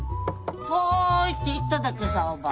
遠いって言っただけさおばぁは。